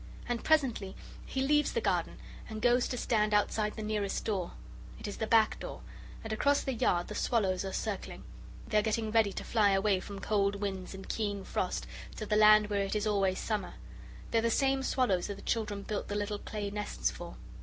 And presently he leaves the garden and goes to stand outside the nearest door. It is the back door, and across the yard the swallows are circling. They are getting ready to fly away from cold winds and keen frost to the land where it is always summer. They are the same swallows that the children built the little clay nests for.